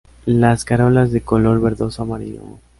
Las corolas de color verdoso amarillo.